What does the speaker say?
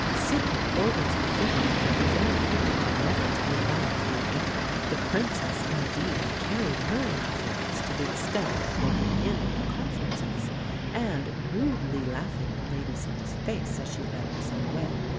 Secret orders were given that the young people were never to be allowed to be together. The Princess, indeed, carried her interference to the extent of breaking in on their conferences, and rudely laughing in Lady Sarah's face as she led her son away.